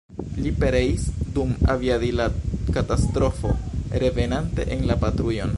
Li pereis dum aviadila katastrofo revenante en la patrujon.